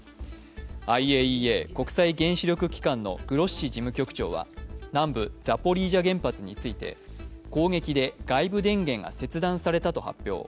ＩＡＥＡ＝国際原子力機関のグロッシ事務局長は南部ザポリージャ原発について、攻撃で外部電源が切断されたと発表。